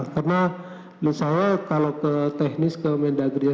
karena misalnya kalau ke teknis ke mendagrinya